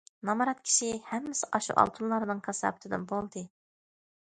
نامرات كىشى: ھەممىسى ئاشۇ ئالتۇنلارنىڭ كاساپىتىدىن بولدى.